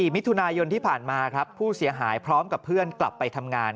มิถุนายนที่ผ่านมาครับผู้เสียหายพร้อมกับเพื่อนกลับไปทำงาน